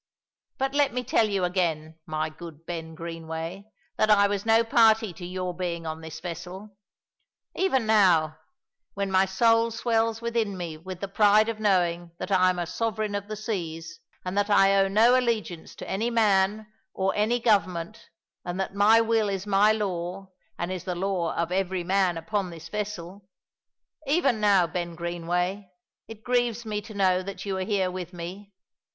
But let me tell you again, my good Ben Greenway, that I was no party to your being on this vessel. Even now, when my soul swells within me with the pride of knowing that I am a sovereign of the seas and that I owe no allegiance to any man or any government and that my will is my law and is the law of every man upon this vessel even now, Ben Greenway, it grieves me to know that you are here with me.